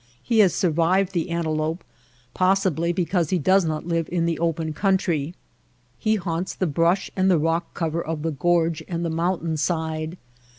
He has survived the antelope possibly because he does not live in the open country. He haunts the brush and the rock cover of the gorge and the mountain side.